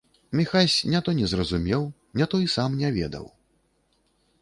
Міхась не то не разумеў, не то і сам не ведаў.